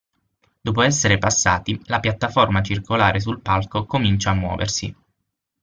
Dopo essere passati, la piattaforma circolare sul palco comincia a muoversi.